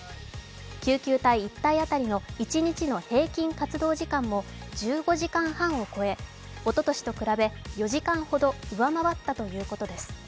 救急隊１隊当たりの一日の平均活動時間も１５時間半を超え、おととしと比べ４時間ほど上回ったということです。